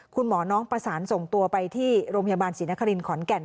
คุณหมอน้องประสานส่งตัวไปที่โรงพยาบาลศรีนครินขอนแก่น